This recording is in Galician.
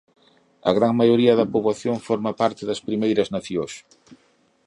A gran maioría da poboación forma parte das Primeiras Nacións.